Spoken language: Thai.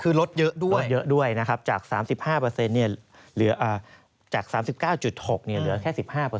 คือลดเยอะด้วยนะครับจาก๓๕จาก๓๙๖เนี่ยเหลือแค่๑๕